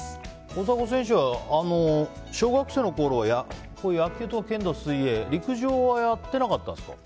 大迫選手は小学生のころ野球とか、剣道、水泳って陸上はやっていなかったんですか。